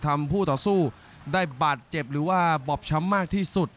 ผู้ต่อสู้ได้บาดเจ็บหรือว่าบอบช้ำมากที่สุด